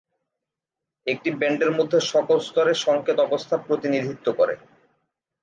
একটি ব্যান্ডের মধ্যে সকল স্তরে সংকেত অবস্থা প্রতিনিধিত্ব করে।